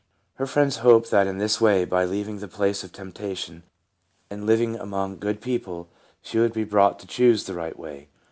Her friends hoped that in this way, by leaving the places of temptation, and living among good people, she would be brought to choose the right way.